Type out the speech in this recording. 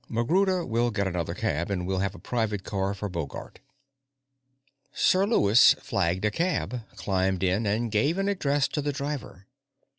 MacGruder will get another cab, and we have a private car for Bogart." Sir Lewis flagged a cab, climbed in, and gave an address to the driver.